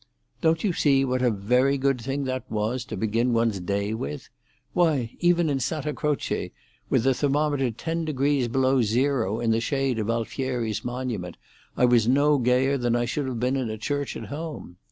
"Don't you see what a very good thing that was to begin one's day with? Why, even in Santa Croce, with the thermometer ten degrees below zero in the shade of Alfieri's monument, I was no gayer than I should have been in a church at home.